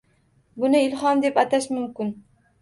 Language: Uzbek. Buni ilhom deb atash mumkin